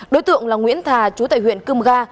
đối tượng là nguyễn thà trú tại huyện cơm ga